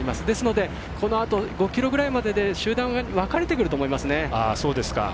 ですので、このあと５ｋｍぐらいまでで集団が分かれてくると思いますね。